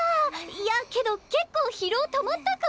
いやけど結構疲労たまったかも？